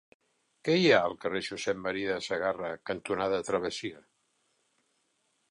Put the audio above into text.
Què hi ha al carrer Josep M. de Sagarra cantonada Travessia?